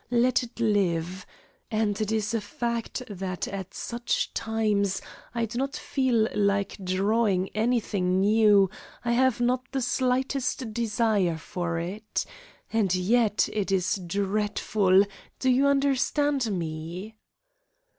Let it live. And it is a fact that at such times I do not feel like drawing anything new, I have not the slightest desire for it. And yet it is dreadful. Do you understand me?"